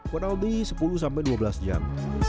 kualitas waktu sepuluh sampai dua belas jam